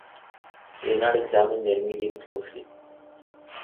He did not examine their medium closely.